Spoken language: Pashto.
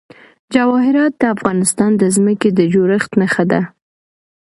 جواهرات د افغانستان د ځمکې د جوړښت نښه ده.